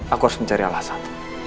aku harus mencari alasan